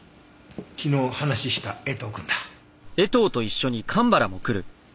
昨日話しした江藤くんだ。